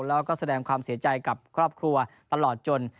แล้วก็แสดงความเสียใจกับครอบครัวตลอดจน